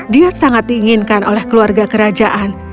dia sangat diinginkan oleh keluarga kerajaan